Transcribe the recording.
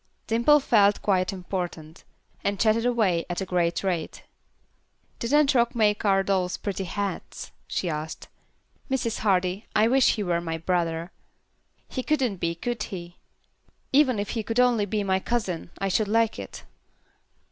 Dimple felt quite important, and chatted away at a great rate. "Didn't Rock make our dolls pretty hats?" she asked. "Mrs. Hardy, I wish he were my brother. He couldn't be, could he? Even if he could only be my cousin, I should like it."